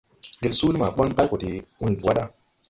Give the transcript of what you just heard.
Ŋgel suuli maa ɓɔn bay go de uygi wà ɗa.